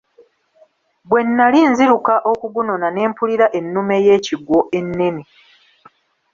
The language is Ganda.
Bwe nnali nziruka okugunona ne mpulira ennume ye ekigwo ekinene.